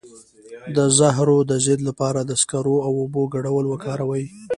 د زهرو د ضد لپاره د سکرو او اوبو ګډول وکاروئ